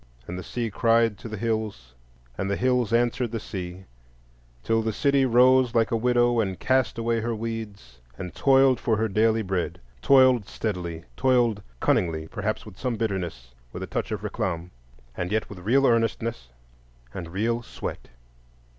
And the sea cried to the hills and the hills answered the sea, till the city rose like a widow and cast away her weeds, and toiled for her daily bread; toiled steadily, toiled cunningly,—perhaps with some bitterness, with a touch, of réclame,—and yet with real earnestness, and real sweat.